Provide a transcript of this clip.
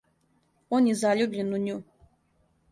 Он је заљубљен у њу.